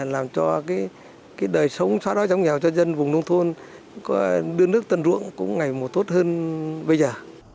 làm cho cái đời sống xóa đói giống nhau cho dân vùng nông thôn đưa nước tần ruộng cũng ngày một tốt hơn bây giờ